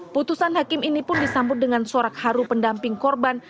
putusan hakim ini pun disambut dengan sorak haru pendamping korban